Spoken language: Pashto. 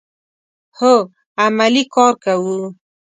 هو، عملی کار کوو